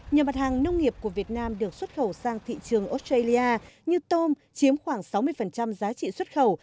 nhiều mặt hàng nông nghiệp của việt nam được xuất khẩu sang thị trường australia như tôm chiếm khoảng sáu mươi giá trị xuất khẩu